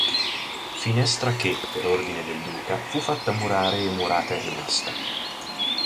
Finestra che, per ordine del duca, fu fatta murare e murata è rimasta.